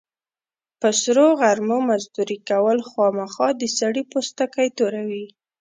په سرو غرمو مزدوري کول، خوامخا د سړي پوستکی توروي.